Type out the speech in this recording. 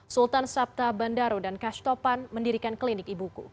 sultan sabta bandaro dan kastopan mendirikan klinik ibuku